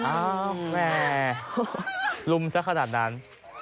อ้าวแม่ลุมซะขนาดนั้น